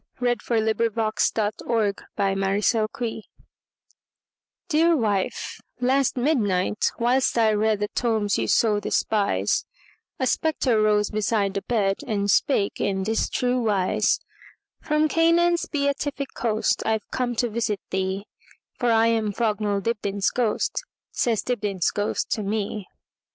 1900. By EugeneField 1045 Dibdin's Ghost DEAR wife, last midnight, whilst I readThe tomes you so despise,A spectre rose beside the bed, And spake in this true wise:"From Canaan's beatific coastI 've come to visit thee, For I am Frognall Dibdin's ghost,"Says Dibdin's ghost to me.